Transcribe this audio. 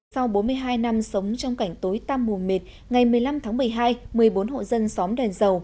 sau bốn mươi hai năm sống trong cảnh tối tam mùa mệt ngày một mươi năm tháng một mươi hai một mươi bốn hộ dân xóm đèn dầu